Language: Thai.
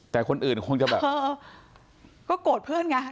แต่คนอื่นคงจะแบบเออก็โกรธเพื่อนไง